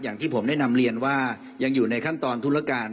อย่างที่ผมได้นำเรียนว่ายังอยู่ในขั้นตอนธุรการ